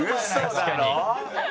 確かに。